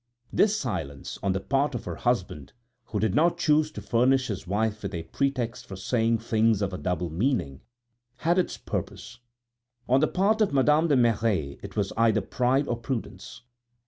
This silence, on the part of the husband, who did not choose to furnish his wife with a pretext for saying things of a double meaning, had its purpose; on the part of Madame de Merret it was either pride or prudence.